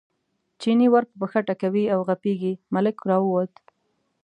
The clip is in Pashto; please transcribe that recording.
چیني ور په پښه ټکوي او غپېږي، ملک راووت.